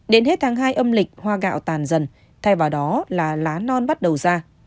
đến hết tháng hai âm lịch hoa gạo tàn dần thay vào đó là lá non bắt đầu ra